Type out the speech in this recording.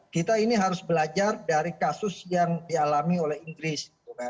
kita ini harus belajar dari kasus yang dialami oleh inggris